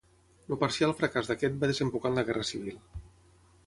El parcial fracàs d'aquest va desembocar en la Guerra Civil.